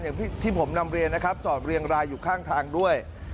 อย่างที่ผมนำเรียนนะครับจอดเรียงรายอยู่ข้างทางด้วย